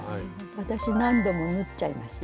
私何度も縫っちゃいました。